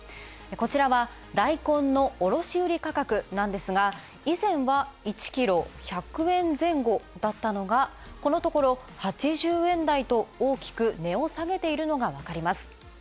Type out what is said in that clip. こちら、ダイコンの卸売価格なんですが、以前は１キロ１００円前後だったのが、このところ８０円台と大きく値を下げているのがわかります。